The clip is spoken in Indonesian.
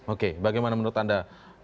oke bagaimana menurut anda